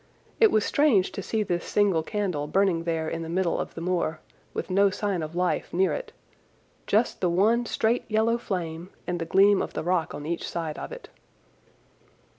It was strange to see this single candle burning there in the middle of the moor, with no sign of life near it—just the one straight yellow flame and the gleam of the rock on each side of it.